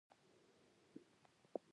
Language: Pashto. د غلو بارونیانو رامنځته کېدل دا ښيي.